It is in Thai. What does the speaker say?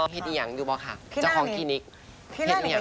อ๋อเห็นอียังดูบ่คะเจ้าของคลินิกเห็นอียัง